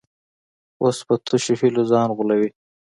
اوس په تشو هیلو ځان غولوي.